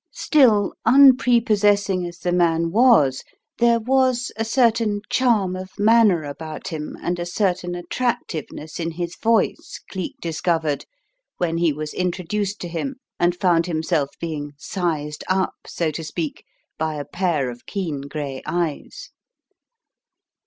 Still, unprepossessing as the man was, there was a certain charm of manner about him and a certain attractiveness in his voice Cleek discovered when he was introduced to him and found himself being "sized up," so to speak, by a pair of keen grey eyes.